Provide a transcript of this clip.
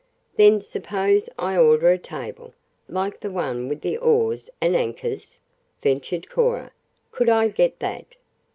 "Then suppose I order a table, like the one with the oars and anchors?" ventured Cora. "Could I get that?"